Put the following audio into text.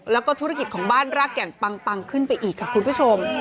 แล้วก็ธุรกิจของบ้านรากแก่นปังขึ้นไปอีกค่ะคุณผู้ชม